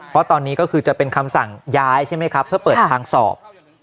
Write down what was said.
เพราะตอนนี้ก็คือจะเป็นคำสั่งย้ายใช่ไหมครับเพื่อเปิดทางสอบ